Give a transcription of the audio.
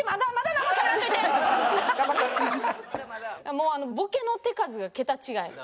もうボケの手数が桁違い。